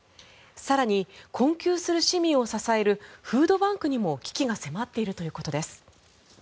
更に、困窮する市民を支えるフードバンクにも危機が迫っているということです。